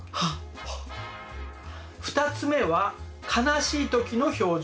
２つ目は悲しい時の表情。